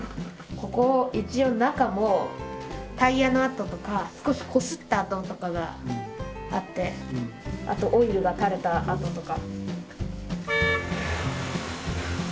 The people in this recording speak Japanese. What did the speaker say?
ここ一応中もタイヤの跡とか少しこすった跡とかがあってあとオイルが垂れた跡とか。